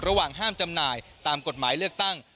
ระหว่างห้ามจำหน่ายตามกฎหมายเลือกตั้ง